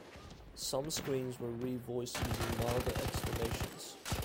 Some screams were re-voiced using milder exclamations.